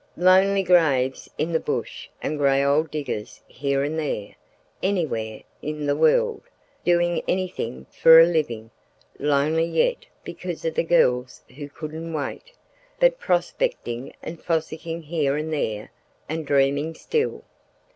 Lonely graves in the bush and grey old diggers here and there, anywhere in the world, doing anything for a living, lonely yet because of the girls who couldn't wait, but prospecting and fossicking here and there, and dreaming still.